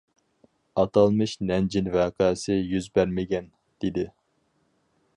ئاتالمىش نەنجىڭ ۋەقەسى يۈز بەرمىگەن، دېدى.